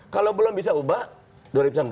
kalau belum bisa ubah dua ribu enam belas ganti presiden